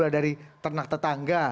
dari ternak tetangga